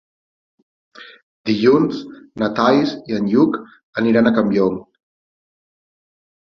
Dilluns na Thaís i en Lluc aniran a Campllong.